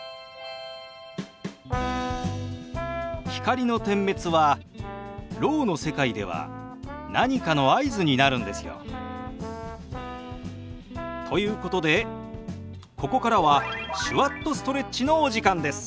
光の点滅はろうの世界では何かの合図になるんですよ。ということでここからは「手話っとストレッチ」のお時間です。